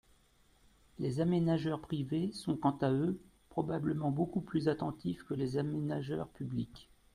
Les aménageurs privés sont quant à eux probablement beaucoup plus attentifs que les aménageurs publics.